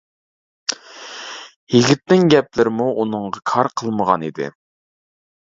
يىگىتىنىڭ گەپلىرىمۇ ئۇنىڭغا كار قىلمىغان ئىدى.